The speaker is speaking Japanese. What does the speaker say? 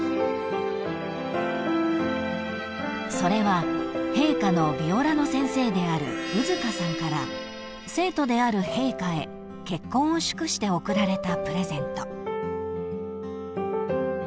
［それは陛下のビオラの先生である兎束さんから生徒である陛下へ結婚を祝して贈られたプレゼント］